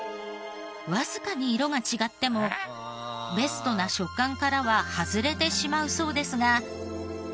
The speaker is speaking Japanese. わずかに色が違ってもベストな食感からは外れてしまうそうですが。